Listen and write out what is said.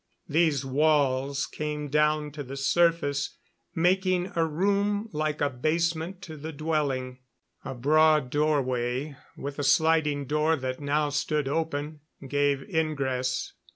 These walls came down to the surface, making a room like a basement to the dwelling. A broad doorway, with a sliding door that now stood open, gave ingress.